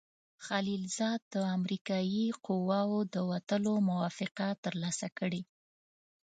خلیلزاد د امریکایي قواوو د وتلو موافقه ترلاسه کړې.